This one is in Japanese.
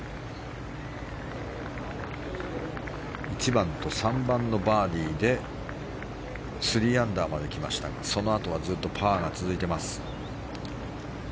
１番と３番のバーディーで３アンダーまできましたがそのあとはずっとパーが続いています。